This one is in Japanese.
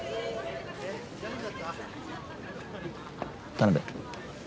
田辺。